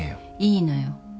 いいのよ。